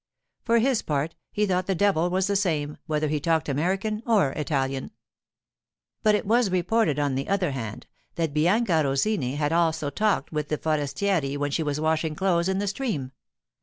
For his part, he thought the devil was the same, whether he talked American or Italian. But it was reported, on the other hand, that Bianca Rosini had also talked with the forestieri when she was washing clothes in the stream.